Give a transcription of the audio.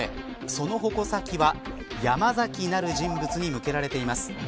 その矛先はヤマザキなる人物に向けられています。